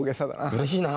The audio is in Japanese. うれしいなあ。